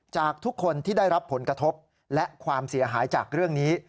จากทุกคนที่ได้รับผลกระทบและความเสียหายจากเรื่องนี้